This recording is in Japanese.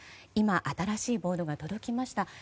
今、新しいボードが届きました。